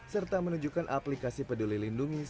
serta menunjukkan aplikasi peduli lindungi